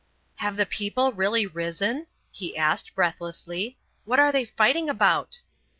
"Have the people really risen?" he asked, breathlessly. "What are they fighting about?"